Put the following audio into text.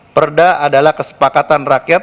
perda adalah kesepakatan rakyat